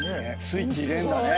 スイッチ入れんだね。